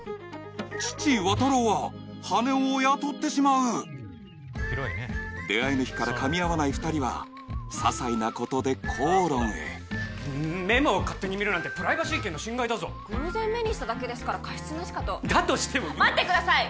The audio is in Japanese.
父・綿郎は羽男を雇ってしまう出会いの日からかみ合わない２人はささいなことで口論へメモを勝手に見るなんてプライバシー権の侵害だぞ偶然目にしただけですから過失なしかとだとしても待ってください